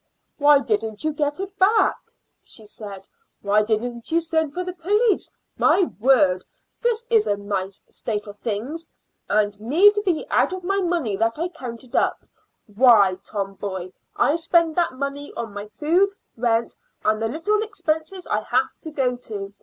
"Why didn't you get it back?" she said. "Why didn't you send for the police? My word, this is a nice state of things! And me to be out of my money that I counted upon. Why, Tom, boy, I spend that money on my food, rent, and the little expenses I have to go to.